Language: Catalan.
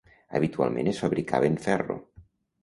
Habitualment es fabricava en ferro.